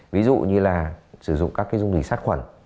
ví dụ như là sử dụng các cái dung dịch sát khuẩn